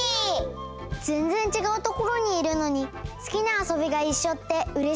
ぜんぜんちがうところにいるのにすきなあそびがいっしょってうれしいな！